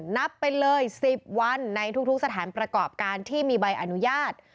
นับไปเลย๑๐วันในทุกสถานประกอบการที่มีใบอนุญาต